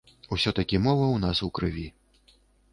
Усё-такі мова ў нас у крыві.